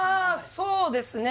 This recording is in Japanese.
そうですね